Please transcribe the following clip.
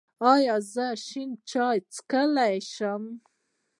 ایا زه شین چای څښلی شم؟